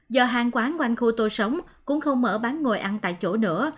do hàng quán quanh khu tôi sống cũng không mở bán ngồi ăn tại chỗ nữa